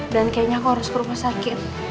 dan kayaknya aku harus ke rumah sakit